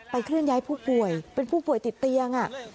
เคลื่อนย้ายผู้ป่วยเป็นผู้ป่วยติดเตียง